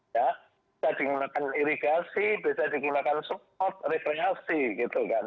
ya bisa digunakan irigasi bisa digunakan spot rekreasi gitu kan